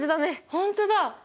本当だ！